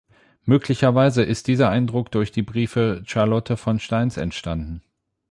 Möglicherweise ist dieser Eindruck durch die Briefe Charlotte von Steins entstanden.